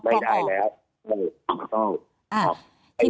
ไม่ได้แล้วไม่ต้อง